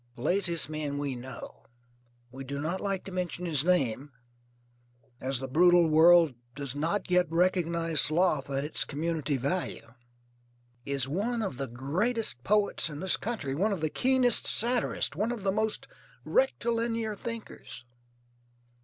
The laziest man we know we do not like to mention his name, as the brutal world does not yet recognize sloth at its community value is one of the greatest poets in this country; one of the keenest satirists; one of the most rectilinear thinkers.